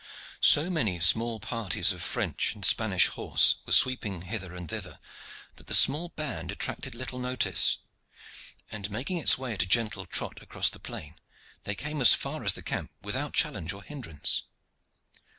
So many small parties of French and Spanish horse were sweeping hither and thither that the small band attracted little notice, and making its way at a gentle trot across the plain, they came as far as the camp without challenge or hindrance.